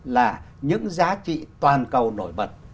là những giá trị toàn cầu nổi bật